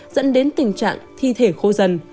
dẫn đến tình trạng thi thể khô dần